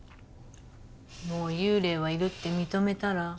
もう幽霊はいるって認めたら？